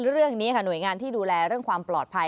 เรื่องนี้ค่ะหน่วยงานที่ดูแลเรื่องความปลอดภัย